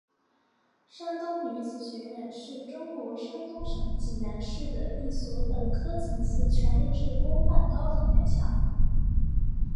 山东女子学院是中国山东省济南市的一所本科层次全日制公办高等院校。